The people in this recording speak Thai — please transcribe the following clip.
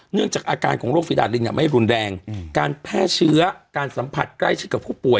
จากอาการของโรคฟีดาดลิงไม่รุนแรงการแพร่เชื้อการสัมผัสใกล้ชิดกับผู้ป่วย